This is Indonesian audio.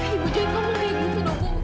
ibu jangan ngomong kayak gitu ibu